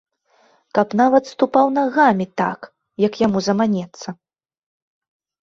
Каб нават ступаў нагамі так, як яму заманецца.